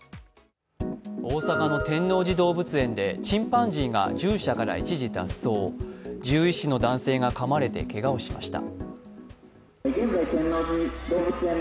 大阪の天王寺動物園でチンパンジーが獣舎から一時脱走獣医師の男性がかまれて、けがをしました。